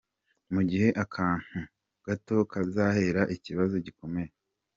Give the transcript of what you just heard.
Mu gihe akantu gato kazatera ikibazo gikomeye.